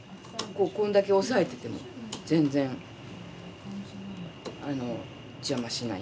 こんだけ押さえてても全然邪魔しない。